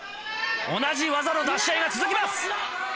同じ技の出し合いが続きます。